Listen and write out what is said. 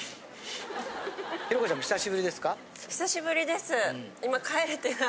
寛子ちゃんも久しぶりですか？